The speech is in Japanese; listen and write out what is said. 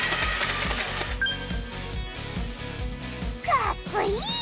かっこいい！